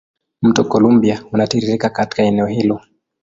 Mto Columbia unatiririka katika eneo hilo.